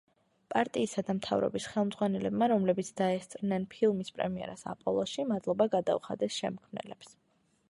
პარტიისა და მთავრობის ხელმძღვანელებმა, რომლებიც დაესწრნენ ფილმის პრემიერას „აპოლოში“, მადლობა გადაუხადეს შემქმნელებს.